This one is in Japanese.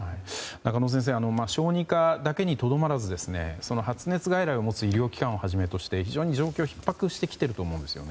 中野先生小児科だけにとどまらず発熱外来を持つ医療機関をはじめとして非常に状況がひっ迫してきていると思うんです。